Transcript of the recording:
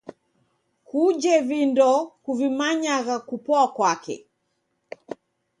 Kujhe vindo kuvimanyagha kupoa kwake